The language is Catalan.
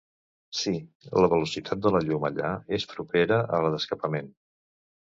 Sí, la velocitat de la llum allà és propera a la d'escapament.